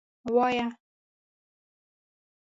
وایه.